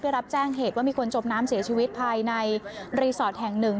รับแจ้งเหตุว่ามีคนจมน้ำเสียชีวิตภายในรีสอร์ทแห่งหนึ่ง